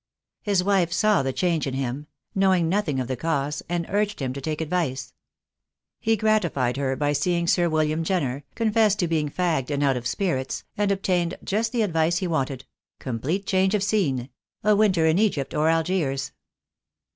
His wife saw the change in him — knowing nothing of the cause — and urged him to take advice. He grati fied her by seeing Sir William Jenner, confessed to being fagged and out of spirits, and obtained just the advice he wanted — complete change of scene — a winter in Egypt or Algiers.